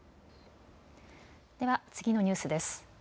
では次のニュースです。